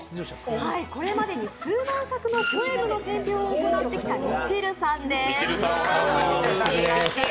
これまでに数万冊のポエムの選評を行ってきたみちるさんです。